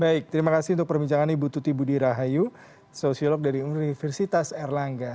baik terima kasih untuk perbincangan ibu tuti budi rahayu sosiolog dari universitas erlangga